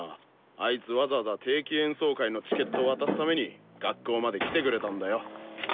あいつわざわざ定期演奏会のチケット渡すために学校まで来てくれたんだよ。